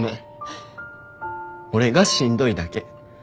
俺がしんどいだけ。